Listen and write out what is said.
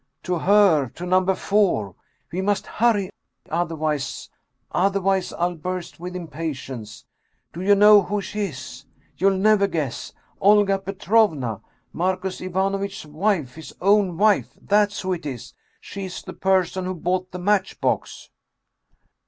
" To her, to number four ! We must hurry, otherwise otherwise I'll burst with impatience! Do you know who she is? You'll never guess! Olga Petrovna, Marcus Ivanovitch's wife his own wife that's who it is! She is the person who bought the matchbox